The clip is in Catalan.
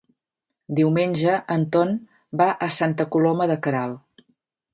Diumenge en Ton va a Santa Coloma de Queralt.